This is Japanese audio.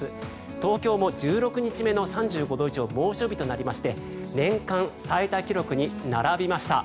東京も１６日目の３５度以上猛暑日となりまして年間最多記録に並びました。